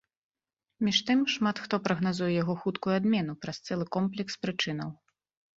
Між тым, шмат хто прагназуе яго хуткую адмену праз цэлы комплекс прычынаў.